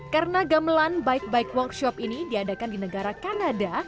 karena gamelan bike bike workshop ini diadakan di negara kanada